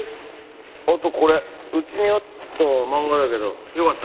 あとこれうちにあった漫画だけどよかったら。